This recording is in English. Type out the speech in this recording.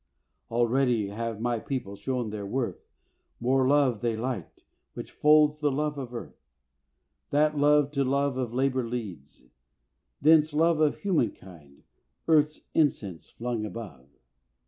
Already have my people shown their worth, More love they light, which folds the love of Earth. That love to love of labour leads: thence love Of humankind earth's incense flung above.